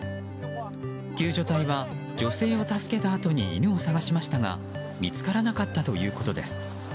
救助隊は女性を助けたあとに犬を探しましたが見つからなかったということです。